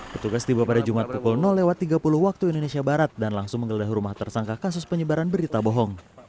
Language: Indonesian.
petugas tiba pada jumat pukul tiga puluh waktu indonesia barat dan langsung menggeledah rumah tersangka kasus penyebaran berita bohong